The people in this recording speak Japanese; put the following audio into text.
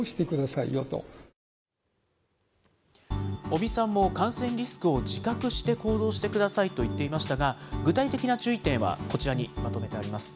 尾身さんも感染リスクを自覚して行動してくださいと言っていましたが、具体的な注意点はこちらにまとめてあります。